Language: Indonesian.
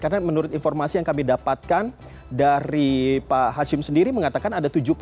karena menurut informasi yang kami dapatkan dari pak hashim sendiri mengatakan ada tujuh puluh satu